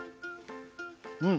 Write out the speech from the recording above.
うん。